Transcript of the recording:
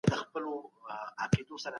عددونه زموږ سره مرسته کوي.